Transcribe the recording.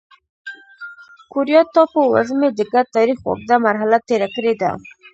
کوریا ټاپو وزمې د ګډ تاریخ اوږده مرحله تېره کړې ده.